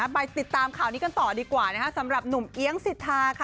ไปติดตามข่าวนี้กันต่อดีกว่านะคะสำหรับหนุ่มเอี๊ยงสิทธาค่ะ